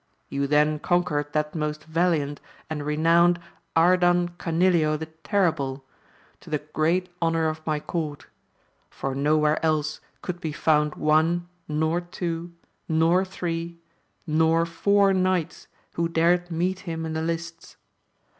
You then conquered that most valiant and renowned Ardan Canileo the Terrible, to the great 252 AMADIS OF GAUL. honour of my court ; for no where else could be found one, nor two, nor three, nor four knights, who dared meet him in the lists.